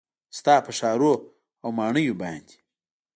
ستا په ښارونو او ماڼیو باندې